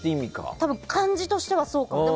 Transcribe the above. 多分、漢字としてはそうかも。